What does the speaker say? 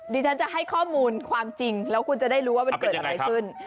ดิฉันจะให้ข้อมูลความจริงแล้วคุณจะได้รู้ว่ามันเกิดอะไรขึ้น